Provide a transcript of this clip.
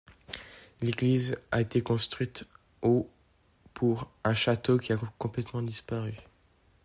L'église a été construite au pour un château qui a complètement disparu.